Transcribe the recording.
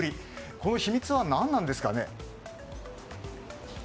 この秘密は何なんですかね？